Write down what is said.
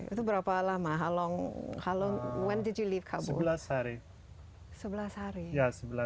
itu berapa lama kapan kamu meninggalkan kabul